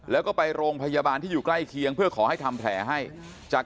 แล้วก็ไปโรงพยาบาลที่อยู่ใกล้เคียงเพื่อขอให้ทำแผลให้จาก